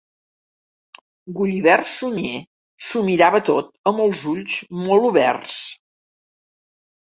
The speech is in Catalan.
Gulliver Sunyer s'ho mirava tot amb els ulls molt oberts.